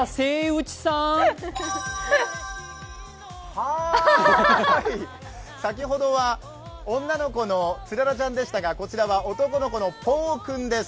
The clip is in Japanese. はーい、先ほどは女の子のツララちゃんでしたがこちらは男の子のポウ君です。